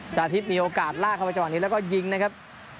สาธิตมีโอกาสลากเข้าไปจังหวะนี้แล้วก็ยิงนะครับ